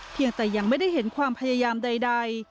แต่ยังไม่ได้เห็นความพยายามใด